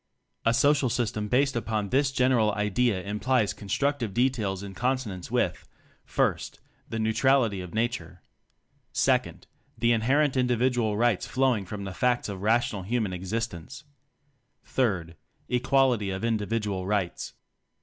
A social system based upon this gen TECHNOCRACY 17 eral idea implies constructive details in consonance with: 1. The neutrality of nature. 2. Inherent individual rights flowing from the facts of rational human ex istence. 3. Equality of individual rights.